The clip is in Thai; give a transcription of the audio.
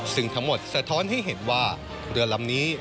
ซึ่งทั้งหมดสะท้อนให้เห็นว่าเรือลำนี้